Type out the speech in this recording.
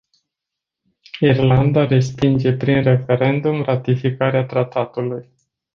Irlanda respinge prin referendum ratificarea tratatului.